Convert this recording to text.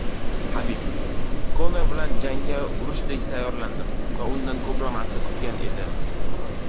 Habib: "Konor bilan jangga urushdek tayyorlandim va undan ko‘proq narsa kutgan edim"